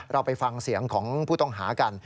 เราไปฟังเสียงของผู้ต้องหากัน